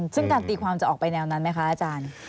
ซึ่งการตีความจะออกไปแนวนั้นไหมคะอาจารย์